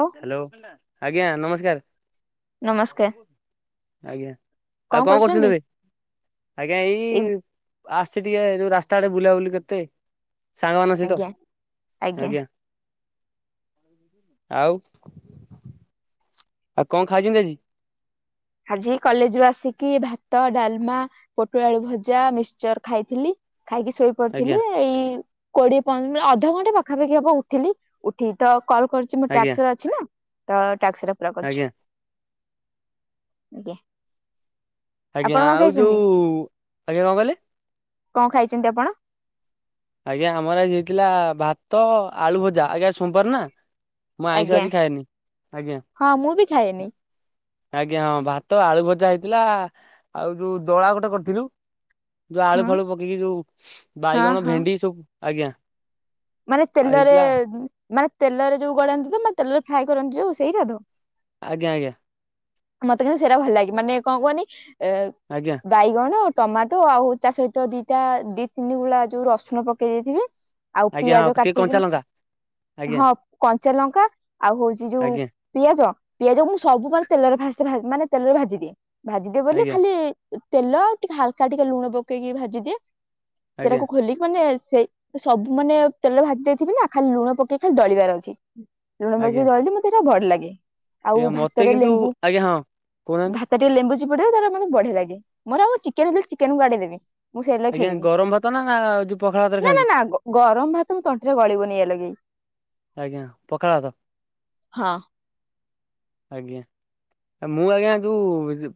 ହଉ ହ୍ୟାଲୋ ଆଜ୍ଞା ନମସ୍କାର। ନମସ୍କାର ଆଜ୍ଞା ଆଉ କଣ କରୁଛନ୍ତି? ଆଜ୍ଞା ଏଇ ଆସିଚି ଟିକେ ଯଉ ରାସ୍ତା ଆଡ଼େ ବୁଲାବୁଲି କେତେ ସାଙ୍ଗ ମାନଙ୍କ ସହିତ ଆଜ୍ଞା ଆଜ୍ଞା। ଆଉ। ଆଉ କଣ ଖାଇଛନ୍ତି ଆଜି? ଆଜି କଲେଜରୁ ଆସିକି ଭାତ ଡାଲମା ପୋଟଳ ଆଳୁ ଭଜା ମିକ୍ସଚର ଖାଇଥିଲି। ଖାଇକି ଶୋଇ ଆଜ୍ଞା ପଡ଼ିଥିଲି ଏଇ କୋଡ଼ିଏ ଅଧଘଣ୍ଟେ ପାଖାପାଖି ହବ ଉଠିଲି ଉଠି ତ କଲ୍ କରି ମୁ ଆଜ୍ଞା ଟ୍ୟାକ୍ସର ଅଛି ନା ତ ଟ୍ୟାକ୍ସର ପୁରା କରୁଛି। ଆଜ୍ଞା ଆଜଞା [inaudible] ଆଜ୍ଞା ଆଉ ଯଉ ଆଜ୍ଞା କଣ କହିଲେ? କଣ ଖାଇଛନ୍ତି ଆପଣ? ଆଜ୍ଞା ଆମର ଆଜି ହେଇଥିଲା ଭାତ ଆଳୁ ଭଜା ଆଜ୍ଞା ଶୁଣି ପାରୁନ? ମୁଁ ଆଇଁଷ ଆଜ୍ଞା ଆଜି ଖଏନି ଆଜ୍ଞା। ହଁ ମୁଁ ବି ଖାଏନି ଆଜ୍ଞା ଭାତ ଆଳୁ ଭଜା ହେଇଥିଲା ଆଉ ଯଉ ଦଳା ଗୋଟେ କରିଥିଲୁ। ଯଉ ଆଳୁ ହଁ ଫାଳୁ ପକେଇକି ଯଉ ହଁ ବାଇଗଣ ହଁ ଭେଣ୍ଡି ସବୁ ଆଜ୍ଞା। ମାନେ ଆଉ ତେଲରେ ହେଇଥିଲା ମାନେ ତେଲରେ ଯଉ ଗଳନ୍ତିତ ମାନେ ତେଲରେ ଫ୍ରାଏ କରନ୍ତି ଯଉ ସେଇଟା ତ? ଆଜ୍ଞା ଆଜ୍ଞା। ମୋତେ ବି ସେଟା ଭଲ ଲାଗେ ମାନେ କଣ କୁହନ୍ତି ଆଜ୍ଞା। ବାଇଗଣ ଟମାଟୋ ଆଉ ତା ସହିତ ଦିଇଟା ଦି ତିନି ଗୁଳା ଯଉ ରସୁଣ ପକେଇ ଦେଇେଇଥିବେ। ଆଉ ଆଜ୍ଞା ହଁ ପିଆଜ ଟିକେ କାଟିକି କଞ୍ଚା ଲଙ୍କା ଆଜ୍ଞା ହଁ କଞ୍ଚା ଲଙ୍କା ଆଉ ହଉଛି ଯଉ ଆଜ୍ଞା ପିଆଜ ପିଆଜ ମୁଁ ସବୁବେଳେ ତେଲରେ ଫାଷ୍ଟ ଭାଜେ ମାନେ ତେଲରେ ଭାଜିଦିଏ ଭାଜିଦିଏ ବୋଲି ଆଜ୍ଞା ଖାଲି ତେଲ ଆଉ ଟିକେ ହାଲକା ଟିକେ ଲୁଣ ପକେଇକି ଭାଜି ଦିଏ ଆଜ୍ଞା ସେଟାକୁ ଖୋଲିକି ମାନେ ସେଇ ସବୁ ମାନେ ତେଲ ଭାଜି ଦେଇଥିବି ନା ଖାଲି ଲୁଣ ପକେଇ ଖାଲି ଦଳିବାର ଅଛି ଲୁଣ ପକେଇି ଆଜ୍ଞା ଦଳିଦେବେ। ପୁରା ଭଲ୍ ଲାଗେ ଆଉ ଆଜ୍ଞା ମତେ ଭାତରେ କିନ୍ତୁ ଲେମ୍ବୁ ଆଜ୍ଞା ହଁ କହୁନାହାନ୍ତି ଭା ଟିକେ ଲେମ୍ୱୁ ଚିପାଡ଼ିବି ତାପରେ ମୋତେ ବଢ଼ିଆ ଲାଗେ ମୋର ଆଉ ଚିକେନ ଚିକେନ ମୁଁ ସେଇଆ ଲଗେଇ ଆଜ୍ଞା ଖାଇଦେବି। ଗରମ ଭାତ ନା ଯଉ ପଖାଳ ଭାତରେ ନା ନା ଖାଆନ୍ତି? ନା ଗରମ ଭାତ ମୋ ତଣ୍ଠିରେ ଗଳିବନି ଏ ଲାଗି। ଆଜ୍ଞା ପଖାଳ ଭାତ ଆଜ୍ଞା। ମୁଁ ଆଜ୍ଞା ଯଉ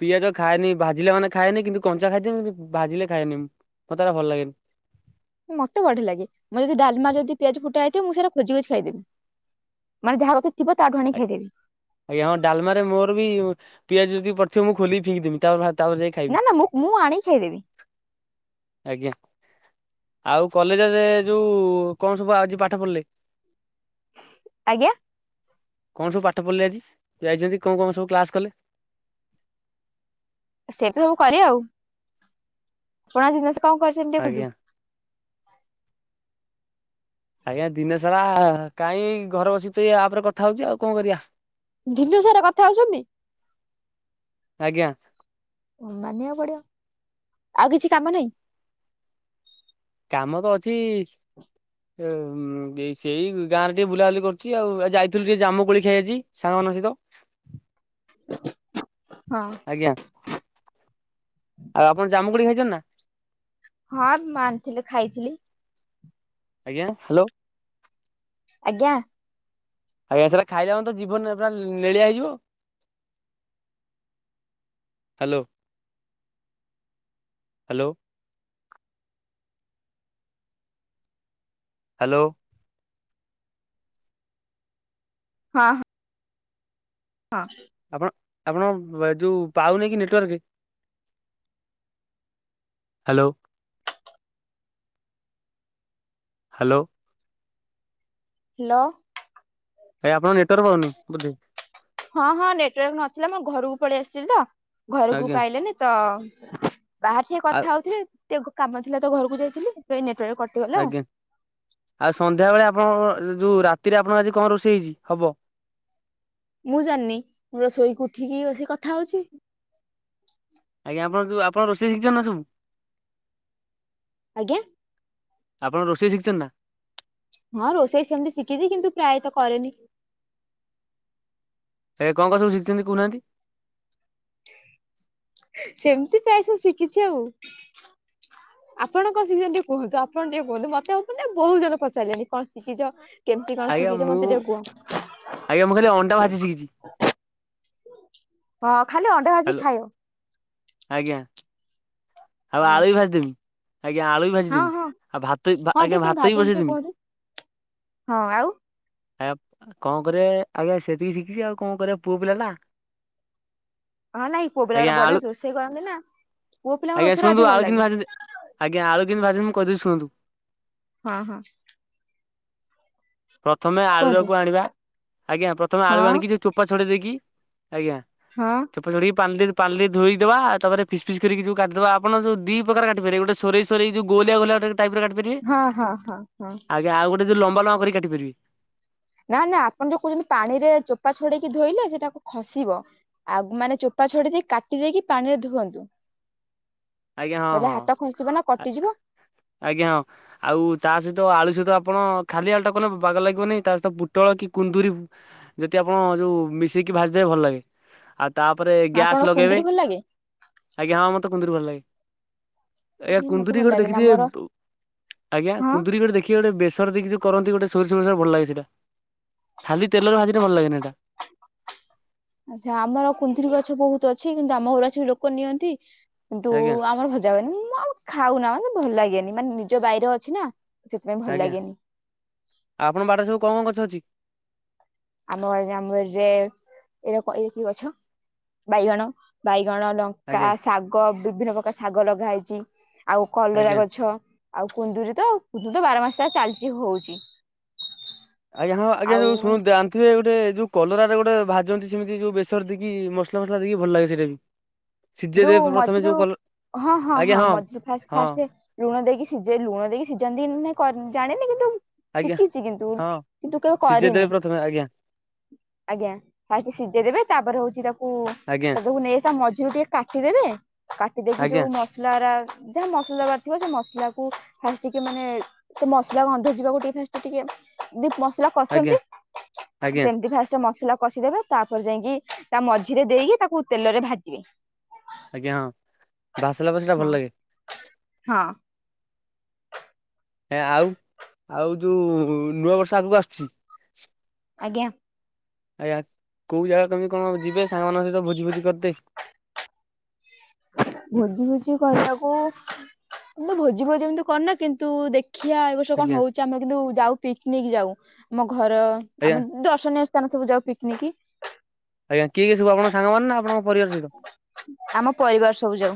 ପିଆଜ ଖାଏନି ଭାଜିଲା ମାନେ ଖଏନି କିନ୍ତୁ କଞ୍ଚା ଖାଇଦିଏ ଭାଜିଲେ ଖାଏନି ମୁଁ ଟୋଟାଲ ଭଲ ଲାଗେନି। ମତେ ବଢ଼ିଆ ଲାଗେ ଯଦି ଡଲମା ଯଦି ପିଆଜ ଫୁଟାହେଇଥବ ମୁଁ ସେଟା ଖୋଜି ଖୋଜି ଖଇଦେବି। ମାନେ ଯାହା ଠାରେ ଥିବ ତାଠୁ ଆଣି ଖଇଦେବି। ଆଜ୍ଞା ଡାଲମାରେ ମୋର ବି ପିଆଜ ଯଦି ପଡ଼ିଥିବ ମୁଁ ଖୋଲିିକିି ଫିଙ୍ଗିଦେବି। ତାପରେ ଯଇ ନା ଖାଇବି ନା ମୁଁ ମୁଁ ଆଣିକି ଖାଇଦେବି ଆଜ୍ଞା। ଆଉ କଲେଜରେ ଯଉ କଣ ସବୁ ଆଜି ପାଠ ପଢ଼ିଲେ? ଆଜ୍ଞା। କଣ ସବୁ ପାଠ ପଢ଼ିଲେ ଆଜି କୁହାଯାଇଛି କଣ କଣ ସବୁ କ୍ଲାସ କଲେ? ସେ ତ ସବୁ କରି ଆଉ ଛୁଆଙ୍କ ଜିନିଷ କଣ କରୁଛ ସେମିତି ଆଜ୍ଞା ଦେଖନ୍ତୁ। ଆଜ୍ଞା ଦିନ ସାରା କାଇଁ ଘର ବସି ଏ ଆପ୍ କଥା ହଉଚଛି ଆଉ କଣ କରିବା। ଦିନସାରା କଥା ହଉଛନ୍ତି? ଆଜ୍ଞା। ମାନିବାକୁ ପଡିବ ଆଉ କିଛି କାମ ନାହିଁ? କାମ ତ ଅଛି [unintelligible] [inaudible] ଏ ସେଇ ଗାଁରେ ଟିକେ ବୁଲାବୁଲି କରୁଛି ଆଉ ଆଉ ଯାଇଥିଲୁ ଟିକେ ଜାମୁ କୋଳି ଖାଇ ଆଜି ସାଙ୍ଗମାନଙ୍କ ସହିତ। ହଁ। ଆଜ୍ଞା ଆଉ ଆପଣ ଜାମୁକୋଳି ଖାଇଛନ୍ତି ନା? ହଁ ମା ଆଣିଥିଲି ଖାଇଥିଲି। ଆଜ୍ଞା ହ୍ୟାଲୋ। ଆଜ୍ଞା। ଆଜ୍ଞା ସେଟା ଖାଇଲା ମାନେ ତ ଜିଭ ପୁରା ନେଳିଆ ହେଇଯିବ। Hello, hello. ହ୍ୟାଲୋ। ହଁ। ହଁ। ଆପଣ ଆପଣଙ୍କ ଯୋଉ ପାଉନ କି ନେଟୱାର୍କ? ହ୍ୟାଲୋ। ହ୍ୟାଲୋ। ହ୍ୟାଲୋ। ଆଜ୍ଞା ଆପଣ ନେଟୱାର୍କ ପାଉନି ବୁଧେ? ହଁ ହଁ ନେଟୱାର୍କ ନଥିଲା ମୁଁ ଘରକୁ ପଳେଇ ଆସିଥିଲି ତ ଘରକୁ ଆଜ୍ଞା ପାଇଲାନି ତ ବାହାରେ ଠିଆ ହେଇ ଆଉ କଥା ହଉଥିଲି ଟିକେ କାମ ଥିଲା ତ ଘରକୁ ଯାଇଥିଲି ସେଥିପାଇଁ ନେଟୱାର୍କ କଟି ଆଜ୍ଞା ଆଉ ସନ୍ଧ୍ୟାବେଳେ ଆପଣଙ୍କ ଯେଉଁ ରାତିରେ ଆପଣଙ୍କ ଆଜି କଣ ରୋଷେଇ ହେଇଛି ହବ? ମୁଁ ଜାଣିନି ମୁଁ ବା ଶୋଇକି ଉଠିକି ବସିି କଥା ହଉଛି। ଆଜ୍ଞା ଆପଣ ଯୋଉ ଆପଣ ରୋ ଷେଇ [unintelligible] ଆଜ୍ଞା। ଆପଣ ରୋଷେଇ ଶିଖିଛନ୍ତି ନା? ହଁ ରୋଷେଇ ସେମିତି ଶିଖିଛି କିନ୍ତୁ ପ୍ରାୟତଃ କରେନି। ଏ କଣ କଣ ସବୁ ଶିଖିଛନ୍ତି କହୁନାହାନ୍ତି? ସେମିତି ପ୍ରାୟ ସବୁ ଶିଖିଛି ଆଉ। ଆପଣ କଣ ଶିଖିଛନ୍ତି ଟିକେ କହନ୍ତୁ। ଆପଣ ଟିକେ କହନ୍ତୁ ମତେ [unintelligible] ବହୁଜଣ ପଚାରିଲେ କଣ ଶିଖିଛ କେମତି କଣ ଆଜ୍ଞା ଶିଖିଛ ମୁଁ ମତେ ଟିକେ ଆଜ୍ଞା ମୁଁ ଖାଲି ଅଣ୍ଡା କୁହ? ଭାଜି ଶିଖିଛି ହଁ ଖାଲି ଅଣ୍ଡା ଭାଜି ହାଲୋ ଖାଇବ। ଆଜ୍ଞା ଆଉ ଆଜ୍ଞା ଆଳୁ ଭାଜି ଦେବି। ଆଜ୍ଞା ଆଳୁ ଭାଜି ହଁ ଦେବି। ହଁ ଆଉ ଭାତ ହଁ ଆଜ୍ଞା ଟିକେ କେମିତି ଭାତ ବି ଭାଜନ୍ତି ଟିକେ ବସେଇଦେବି। କୁହନ୍ତୁ ହଁ ଆଉ ଆଜ୍ଞା କଣ କରିଆ ଆଜ୍ଞା ସେତିକି ଶିଖିଛି ଆଉ କଣ କରିଆ ପୁଅ ପିଲାନା। ହଁ ନାଇଁ ପୁଅ ପିଲା ଆଜ୍ଞା ଗୁରା ବଢିଆ ଆଳୁ ରୋଷେଇ କରନ୍ତି ନା ପୁଅ ପିଲାଙ୍କ ଆଜ୍ଞା ରୋଷେଇ ଶୁଣନ୍ତୁ ଅଧିକ ଆଳୁ ଭଲ କେମିତି ଲାଗେ। ଭାଜନ୍ତି ଆଜ୍ଞା ଆଳୁ କେମିତି ଭାଜନ୍ତି ମୁଁ କହିଦଉଛି ଶୁଣନ୍ତୁ? ହଁ ହଁ। ପ୍ରଥମେ ଆଳୁ କୁହନ୍ତୁ ଟାକୁ ଆଣିବା ଆଜ୍ଞା ପ୍ରଥମେ ଆଳୁ ହଁ ଆଣିକି ସେ ଚୋପା ଛଡ଼େଇ ଦେଇକି ଆଜ୍ଞା। ହଁ। ଚୋପା ଛଡେଇକି ପାଣିରେ ଧୋଇଦବା ତାପରେ ଫିସ୍ ପିସ୍ କରିକି ଯଉ କାଟିଦବା। ଆପଣ ଦିପ୍ରକାର କାଟିପାରିବେ ଗୋଟେ ସରେଇ ସରେଇ ଯଉ ଗୋଲିଆ ଗୋଲିଆ ଟାଇପ ର କାଟି ପାରିବେ ହଁ ହଁ ହଁ ହଁ ଆଜ୍ଞା ଆଉଗୋଟେ ଯୋଉ ଲମ୍ବା ଲମ୍ବା କରିକି କାଟି ପାରିବେ। ନା ନା ଆପଣ ଯୋଉ କହୁଛନ୍ତି ପାଣିରେ ଚୋପା ଛଡେଇକି ଧୋଇଲେ ସେଟାକୁ ଖସିବ। ଆଉ ମାନେ ଚୋପା ଛଡେଇ ଦେଇ କାଟି ଦେଇକି ପାଣିରେ ଧୁଅନ୍ତୁ। ଆଜ୍ଞା ହଁ ହେରେ ହଁ ହାତ ଖସିବନା ଆ କଟିଯିବ। ଆଜ୍ଞା ହଁ। ଆଉ ତା ସହିତ ଆଳୁ ସହିତ ଆପଣ ଖାଲି ଆଳୁଟା କଲେ ବାଗ ଲାଗିବନି ତାସହିତ ପୁଟଳ କି କୁନ୍ଦୁରି। ଯଦି ଆପଣ ଯୋଉ ମିଶେଇକି ଭାଜିଦେବେ ଭଲ ଲାଗେ ଆଉ ତାପରେ ଗ୍ୟାସ ଆପଣଙ୍କୁ ଲଗେଇବେ। କୁନ୍ଦୁରି ଭଲ ଲାଗେ? ଆଜ୍ଞା ହଁ ମୋତେ କୁନ୍ଦୁରି ଭଲ ଲାଗେ। ଆଜ୍ଞା ମତେ ଗୋଟେ ଭଲ କୋଉଠେ ଲାଗେନି ଆମର ଦେଖିଥିବେ ଆଜ୍ଞା ହଁ କୁନ୍ଦୁରୀ ଗୋଟେ ଦେଖି କି ଏ ଗୋଟେ ବେସର ଦେଇକି ଯୋଉ କରନ୍ତି ଗୋଟେ ସୋରିଷେକସା ଭଲଲାଗେ ସେଟା ଖାଲି ତେଲରେ ଭାଜିଲେ ଭଲଲାଗେନି ଏଇଟା। ଆଚ୍ଛା ଆମର କୁନ୍ଦିରି ଗଛ ବହୁତୁ ଅଛି କିନ୍ତୁ ଆମ ଘରୁ ଆସିକି ଲୋକ ନିଅନ୍ତି କିନ୍ତୁ ଆଜ୍ଞା ଆମର ଭ ଜା ହୁଏନି ମୁଁ ଆଉ ଖାଉନା ମାନେ ଭଲ ଲାଗେନି ମାନେ ନିଜ ବାଇରେ ଅଛି ନା। ସେଥିପାଇଁ ଭଲ ଆଜ୍ଞା ଲାଗେନି ଆଉ ଆପଣଙ୍କ ବାଡ଼ରେ ସବୁ କଣ କଣ ଗଛ ଅଛି? ଆମ ବାରିରେ ଆମ ବାରିରେ ଏରା କ ଏରା କି ଗଛ ବାଇଗଣ ବାଇଗଣ ଲ କା ଆଜ୍ଞା ଶାଗ ବିଭିନ୍ନ ପ୍ରକାର ଶାଗ ଲଗା ହେଇଛି ଆଉ କଲରା ଆଜ୍ଞା। ଗଛ। ଆଉ କୁନ୍ଦୁରୀ ତ ଆଉ କୁନ୍ଦୁରୀ ତ ବାରମାସ ଯାଏ ଚାଲଚି ହୋଉଛି। ଆଜ୍ଞା ହଁ ଆଜ୍ଞା ଯୋଉ ଶୁଣନ୍ତୁ [unintelligible] ଥିରେ ଗୁଟେ ଯୋଉ କଲରାରେ ଗୋଟେ ଭାଜନ୍ତି ସେମିତି ଯୋଉ ବେସର ଦେଇକି ମସଲା ଫସଲା ଦେଇକି ଭଲଲାଗେ ସେଇଟା ବି। ସିଝେଇ ଯୋଉ ଦେବେ ପ୍ରଥମେ ମଝିରୁ ଯୋଉ କଲ ହଁ ହଁ ହଁ ମଝିରୁ ଫାସ୍ ହଁ ଫାଷ୍ଟେ। ଲୁଣ ଦେଇକି ସିଜେ ଲୁଣ ଦେଇକି ସିଜାନ୍ତିକି ନାହିଁ କ ଜାଣିନି କିନ୍ତୁ। ଆଜ୍ଞା ଶିକିଚି କିନ୍ତୁ ହଁ କିନ୍ତୁ କେବେ ସିଝେଇ ଦେବେ କରିନି। ପ୍ରଥମେ ଆଜ୍ଞା ଆଜ୍ଞା ଫାଷ୍ଟେ ସିଜେଇ ଦେବେ ତାପରେ ହଉଛି ତାକୁ ଆଜ୍ଞା ତାକୁ କୁ ନେ ତା ମଝିରରୁ ଟିକେ କାଟିଦେବେ କାଟିଦେଇକି ଆଜ୍ଞା। ଯୋଉ ମ ଲାରା ଯାହା ମସଲା ବାଟିଥିବ ସେ ମସଲାକୁ ଫାଷ୍ଟ ଟିକେ ମାନେ। ତ ମସଲା ଗନ୍ଧ ଯିବାକୁ ଟିକେ ଫାଷ୍ଟ ଟିକି କିଏ ଯେହେତୁ ମସଲା। ଆଜ୍ଞା କଷନ୍ତି ଆଜ୍ଞା ସେମତି ଫାଷ୍ଟ ମସଲା କଷିଦେବେ। ତାପରେ ଯାଇଁକି ତା ମଝିରେ ଦେଇକି ତାକୁ ତେଲରେ ଭାଜିବେ। ଆଜ୍ଞା ହଁ। ବାସିଲା ବଳ ହଁ ହଁ। ହେ ଆଉ ଆଉ ଯୋଉ ନୂଆବର୍ଷ ଆଗୁକୁ ଆସୁଛି। ଆଜ୍ଞା। ଆଜ୍ଞା କୋଉ ଜାଗା କେମିତି କଣ ଯିବେ ସାଙ୍ଗମାନଙ୍କ ସହିତ ଭୋଜି ଫୋଜି କରିଦେ? ଭୋଜି ଫୋଜି କରିବାକୁ। ମୁଁ ଭୋଜି ଭୋଜି ଏମିତି କରେନା କିନ୍ତୁ ଦେଖିଆ ଏଇ ବ ର୍ଷ କଣ ଆଜ୍ଞା ହଉଛି ଆମର କିନ୍ତୁ ଯାଉ ପିକନିକ ଯାଉ ଆମ ଘର ଆଜ୍ଞା। ଆମେ ଦର୍ଶନୀୟ ସ୍ଥାନ ସବୁ ଯାଉ ପିକନିକି। ଆଜ୍ଞା କିଏ କିଏ ସବୁ ଆପଣଙ୍କ ସାଙ୍ଗମାନେ ନା ଆପଣଙ୍କ ପରିବାର ସହିତ? ଆମ ପରିବାର ସବୁ ଯାଉ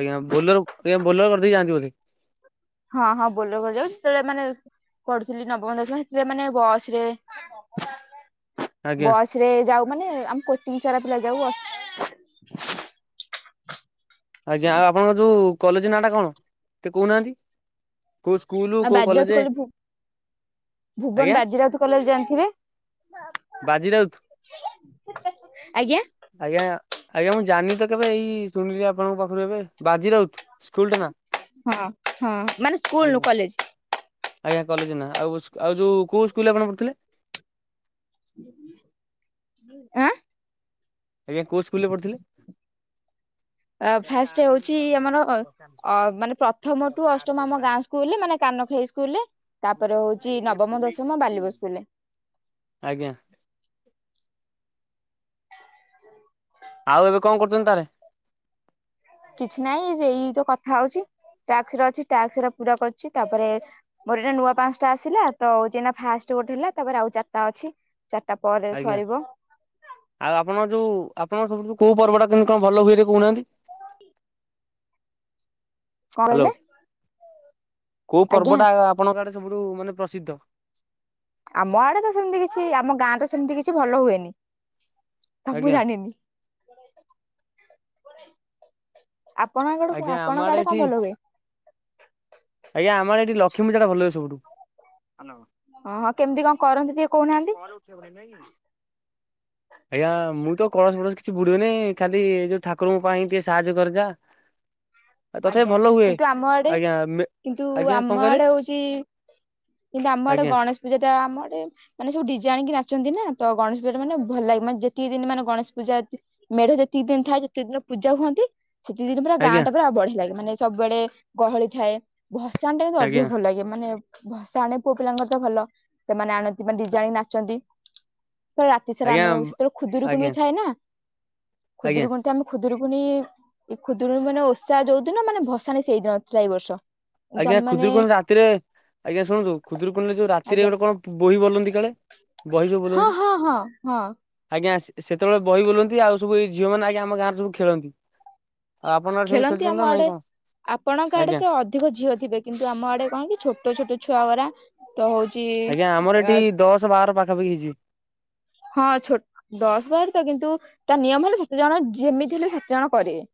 ଆଜ୍ଞା ବୋଲର ଆଜ୍ଞା ବୋଲର କରଦେଇକି ଯାଆନ୍ତି ବୋଧେ? ହଁ ହଁ ବୋଲେର ବୋଲେର ସେଡା ମାନେ ମପଢୁଥିଲି ନବମ ଦଶମ ହେଥିରେ ମାନେ ବସ୍ ରେ। ଆଜ୍ଞା ବସ୍ ରେ ଯାଉ ମାନେ ଆମ କୋଚିଂସାରା ପିଲା ଯାଉ ଅ ଆଜ୍ଞା ଆଉ ଆପଣଙ୍କ ଯୋଉ କଲେଜ ନାଁ ଟା କଣ ଟିକେ କହୁନାହାନ୍ତି? କୋଉ ସ୍କୁଲୁ କୋଉ ବାଜିରାଉତ କଲେଜେ? କଲେ ଭୁବନ ବାଜିରାଉତ କଲେଜ ଜାଣିଥିବେ? ବାଜିରାଉତ? ଆଜ୍ଞା। ଆଜ୍ଞା ଆଜ୍ଞା ମୁଁ ଜାଣିନି ତ କେବେ ଏଇ ଶୁଣିଲି ଆପଣଙ୍କ ପାଖରୁ ଏବେ ବାଜିରଉତ ସ୍କୁଲ ଟା ନା। ହଁ ହଁ ମାନେ ସ୍କୁଲ ନୁହଁ ଆଜ୍ଞା। କଲେଜ ଆଜ୍ଞା କଲେଜ ନାଁ ଆଉ ଆଉଯୋଉ କୋଉ ସ୍କୁଲରେ ଆପଣ ପଢୁଥିଲେ? ଆଁ ଆଜ୍ଞା କୋଉ ସ୍କୁଲରେ ପଢ଼ୁଥିଲେ? [inaudible] ଆ ଫାଷ୍ଟ ହଉଛି ଆମର ମାନେ ପ୍ରଥମ ଟୁ ଅଷ୍ଟମ ଆମ ଗାଁ ସ୍କୁଲରେ ମାନେ କାନଖାଇ ସ୍କୁଲରେ ତାପରେ ହଉଛି ନବମ ଦଶମ ବାଲିବ ସ୍କୁଲରେ ଆଜ୍ଞା। ଆଉ ଏବେ କଣ କରୁଛନ୍ତି ତାହାଲେ? କିଛି ନାହିଁ ଏଇ କଥା ହଉଛି ଟାସ୍କରେ ଅଛି ଟାସ୍କ ପୁରା କରୁଛି। ତାପରେ ମୋର ଏଇଟା ନୂଆ ପାଞ୍ଚଟା ଆସିଲା ତ ଯେ ଫାଷ୍ଟ ଗୋଟେ ହେଲା ତାପରେ ଆଉ ଚାରିଟା ଅଛି ଚାରିଟା ପରେ ଆଜ୍ଞା। ସରିବ ଆଉ ଆପଣ ଯୋଉ ଆପଣ ସବୁଠୁ କୋଉ ପର୍ବଟା କେମତି କଣ ଭଲ ହୁଏ କହୁନାହାନ୍ତି? [inaudible] କଣ ହ୍ୟାଲୋ। କହିଲେ? କୋଉ ଆଜ୍ଞା ପର୍ବଟା ଆପଣଙ୍କ ଆଡେ ସବୁଠୁ ମାନେ ପ୍ରସିଦ୍ଧ? ଆମ ଆଡେ ତ ସେମତି କିଛି ଆମ ଗାଁତ ସେମିତି କିଛି ଭଲ ହୁଏନି, ତ ମୁ ଆଜ୍ଞା ଜାଣିନି। ଆପଣଙ୍କ ଆଜ୍ଞା ଆମ ଆପଣଙ୍କ ଆଡେ ଏଠି କଣ ଭଲ ହୁଏ? ଆଜ୍ଞା ଆମର ଏଇଠି ଲକ୍ଷ୍ମୀ ପୂଜାଟା ଭଲ ହୁଏ ସବୁଠୁ। ହଁ ହଁ କେମିତି କଣ କରନ୍ତି ଟିକେ କହୁନାହାନ୍ତି? ସେପଟେ ନାହିଁକି। [inaudible] ଆଜ୍ଞା ମୁଁ ତ କଳସ ଫଳସ କିଛି ବୁଡ଼େନି ଖାଲି ଏଇ ଯୋଉ ଠାକୁରଙ୍କ ପାଇଁ ଟିକେ ସାହାଯ୍ୟ କରିବା। ଆଜ୍ଞା କିନ୍ତୁ ଆମଆଡେ ଆଜ୍ଞା ମେ କିନ୍ତୁ ଆଜ୍ଞା କଣ କହିଲେ ଆମଆଡେ ହେଉଛି କିନ୍ତୁ ଆମଆଡେ ଆଜ୍ଞା ଗଣେଶ ପୂଜାଟା ଆମ ଆଡ଼େ ମାନେ ସବୁ ଡିଜେ ଆଣିକି ନାଚନ୍ତିନା ତ ଗଣେଶ ପୂଜା ମାନେ ଭଲ ଲାଗେ ମାନେ ଯେତିକ ଦିନ ମାନେ ଗଣେଶ ପୂଜା ମେଢ ଯେତିକି ଦିନ ଥାଏ ସେତିକି ଦିନ ପୂଜା ହୁଅନ୍ତି ସେତିଦିନ ପୁରା ଗାଁ ଆଜ୍ଞା ଟା ପୁରା ବଢିଆ ଲାଗେ ମାନେ ସବୁବେଳେ ଗହଳି ଥାଏ। ଭସାଣୀଟା ଭି ଆଜ୍ଞା ଅଧିକ ଭଲ ଲାଗେ ମାନେ ଭସାଣୀ ପୁଅ ପିଲାଙ୍କର ତ ଭଲ ସେମାନେ ଆଣନ୍ତି ମାନେ ଡିଜେ ଆଣି ନାଚନ୍ତି। ସେ ରାତି ସାରା ଆଜ୍ଞା ଆମେ ସେତେବେଳେ ଖୁଦୁରୁକୁଣୀ ଆଜ୍ଞା ବି ଥାଏ ନା। ଆଜ୍ଞା ଖୁଦୁରୁକୁୁଣିତ ଆମେ ଖୁଦୁରୁକୁଣି ଖୁଦୁରୁୀ ମାନେ ଓ ଓସା ଯୋଉଦିନ ମାନେ ଭସାଣି ସେଇଦିନ ଥିଲା ଏଇ ବର୍ଷ। କିନ୍ତୁ ଆଜ୍ଞା ଆମେ ମାନେ ଖୁଦରୁକୁଣୀ ରାତିରେ ଆଜ୍ଞା ଶୁଣନ୍ତୁ ଖୁଦୁରୁକୁଣୀ ଯୋଉ ରାତିରେ ଆଜ୍ଞା ଗୋଟେ କଣ ବୋହି ବୋଲନ୍ତି କାଳେ ବହି ଯୋ ବୋଲା ହଁ -ହଁ- ହଁ -ହଁ। ଆଜ୍ଞା ସେତେବେଳେ ବହି ବୋଲନ୍ତି ଆଉ ସବୁ ଏ ଝିଅମାନେ ଆଜ୍ଞା ଆମ ଗାଁରେ ସବୁ ଖେଳନ୍ତି। ଆଉ ଆପଣଙ୍କ ଆଡେ ସେମିତି ଖେଳନ୍ତି ଖେଳୁଛନ୍ତି ନା ନାଇଁ ଆମଆଡେ କଣ? ଆପଣଙ୍କ ଆଡେ ଆଜ୍ଞା ତ ଅ ଅଧିକ ଝିଅ ଥିବେ କିନ୍ତୁ ଆମ ଆଡେ କଣକି ଛୋଟ ଛୋଟ ଛୁଆ ଗୁଡ଼ା ତ ହଉଛି ଆଜ୍ଞା ଆମର ଏଠି ଦଶ ବାର ପାଖାପାଖି ହେଇଯିବେ। ହଁ ଛୋଟ ଦଶ ବାର ତ କିନ୍ତୁ ତା ନିୟମ ହେଲେ ସାତଜଣ ଯେମିତି ହେଲେ ସାତଜଣ କରିବେ।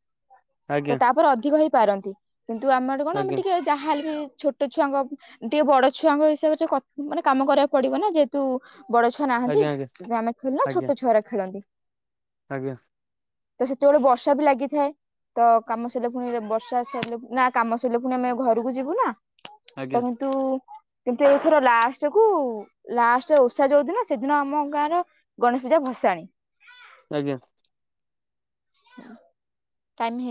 ତ ଆଜ୍ଞା ତାପରେ ଅଧିକ ହେଇପାରନ୍ତି କିନ୍ତୁ ଆମଆଡ଼େ କଣ ଆମେ ଆଜ୍ଞା। ଟିକେ ଯାହାଲେ ବି ଛୋଟ ଛୁଆଙ୍କ ଟିକେ ବଡ ଛୁଆଙ୍କ ହିସାବରେ କ ମାନେ କାମ କରିବାକୁ ପଡିବ ନା ଯେହେତୁ ବଡ ଛୁ ନାହାନ୍ତି ଆଜ୍ଞା ଆମେ ଖେଳୁନା ଆଜ୍ଞା ଆଜ୍ଞା ଛୋଟ ଛୁଆ ଖେଳନ୍ତି। ଆଜ୍ଞା। ତ ସେତେବେଳେ ବର୍ଷା ବି ଲାଗିଥାଏ ତ କାମ ସରିଲା ପୁଣି ବର୍ଷା ସରିଲେ ନା କାମ ସରିଲେ ପୁଣି ଆମେ ଘରକୁ ଯିବୁ ନା ଆଜ୍ଞା ତମ ତୁ କିନ୍ତୁ ଏଇଥର ଲାଷ୍ଟକୁ ଲାଷ୍ଟ ଓଷା ଯୋଉ ଦିନ ସେଦିନ ଆମ ଗାଁର ଗଣେଶ ପୂଜା ଭସାଣି ଆଜ୍ଞା ହଁ [unintelligible]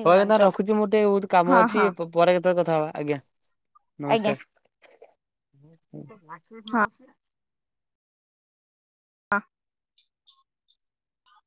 [unintelligible] ରଖୁଛି ମୁଁ ଟିକେ ବହୁତ କାମ ହଁ ଅଛି। ହଁ ପରେ କେତେବେଳେ କଥାହବା ଆଜ୍ଞା ଆଜ୍ଞା ନମସ୍କାର। ହଁ। [unintelligible] ହ।